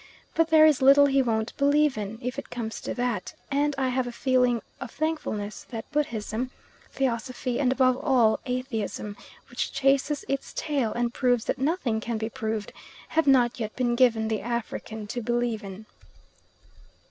But there is little he won't believe in, if it comes to that; and I have a feeling of thankfulness that Buddhism, Theosophy, and above all Atheism, which chases its tail and proves that nothing can be proved, have not yet been given the African to believe in.